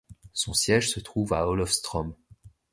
Son siège se trouve à Olofström.